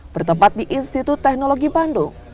bertempat di institut teknologi bandung